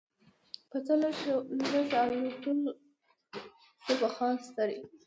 په څه لږو الوتو سو په ځان ستړی